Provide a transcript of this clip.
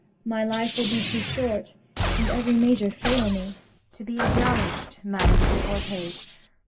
My life will be too short And every measure fail me. Kent. To be acknowledg'd, madam, is o'erpaid.